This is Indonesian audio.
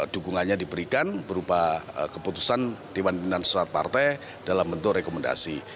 dukungannya diberikan berupa keputusan diwadindan sesuatu partai dalam bentuk rekomendasi